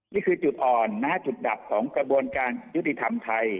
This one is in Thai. นี่คือจุดอ่อนนะฮะจุดดับของกระบวนการยุติธรรมไทย